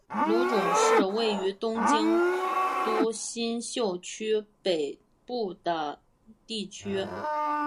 户冢是位于东京都新宿区北部的地区。